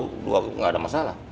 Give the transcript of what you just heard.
tidak ada masalah